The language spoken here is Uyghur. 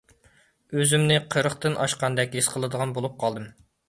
ئۆزۈمنى قىرىقتىن ئاشقاندەك ھېس قىلىدىغان بولۇپ قالدىم.